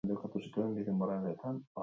Amodioa du gairik behinena bere lanetan.